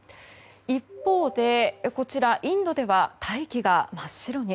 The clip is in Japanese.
一方で、インドでは大気が真っ白に。